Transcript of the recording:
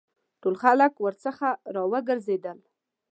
ټول خلک ورڅخه را وګرځېدل.